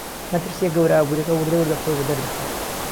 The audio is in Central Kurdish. مەترسیە گەورە ئابوریەکە ووردە ووردە خۆی بەدەر دەخات